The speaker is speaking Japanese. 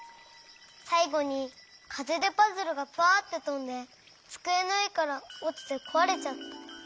さいごにかぜでパズルがパァってとんでつくえのうえからおちてこわれちゃった。